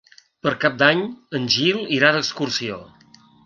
Per Cap d'Any en Gil irà d'excursió.